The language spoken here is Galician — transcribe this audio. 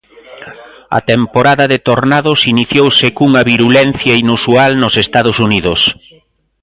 A temporada de tornados iniciouse cunha virulencia inusual nos Estados Unidos.